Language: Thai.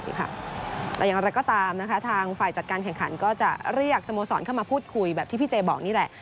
แต่อย่างไรก็ตามนะคะทางฝ่ายจัดการแข่งขันก็จะเรียกสโมสรเข้ามาพูดคุยแบบที่พี่เจบอกนี่แหละ